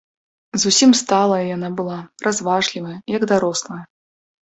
Зусім сталая яна была, разважлівая, як дарослая.